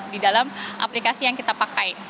di dalam aplikasi yang kita pakai